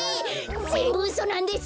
ぜんぶうそなんです！